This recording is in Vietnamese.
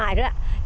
có những hộ